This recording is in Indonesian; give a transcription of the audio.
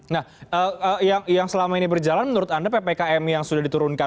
nah yang selama ini berjalan menurut anda ppkm yang sudah diturunkan